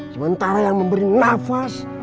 sementara yang memberi nafas